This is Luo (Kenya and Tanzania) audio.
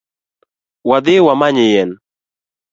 Wadhi wamany yien